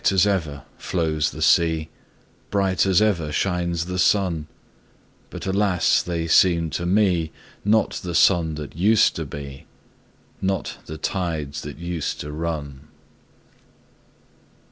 Bright as ever flows the sea, Bright as ever shines the sun, But alas! they seem to me Not the sun that used to be, Not the tides that used to run.